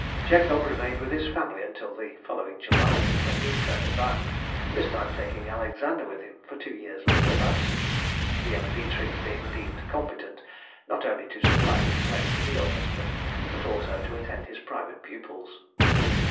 Jacob remained with his family until the following July, when he returned to Bath, this time taking Alexander with him for two years' leave of absence, the young Dietrich being deemed competent not only to supply his place in the orchestra, but also to attend his private pupils. [Sidenote: 1772. _Early Recollections.